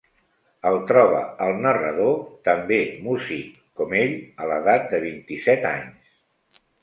El troba el narrador, també músic com ell, a l'edat de vint-i-set anys.